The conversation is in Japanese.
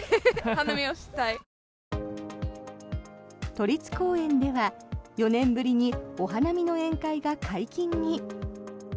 都立公園では４年ぶりにお花見の宴会が解禁に。